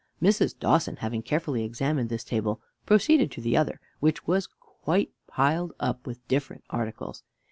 Mrs. Dawson, having carefully examined this table, proceeded to the other, which was quite piled up with different articles.